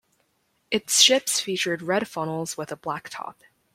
Its ships featured red funnels with a black top.